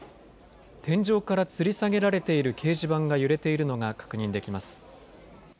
天井からつり下げられている掲示板が揺れているのが確認できます。